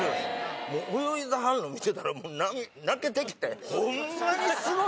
泳いではるの見てたら泣けてきてホンマにスゴい！